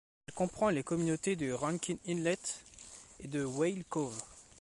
Elle comprend les communautés de Rankin Inlet et de Whale Cove.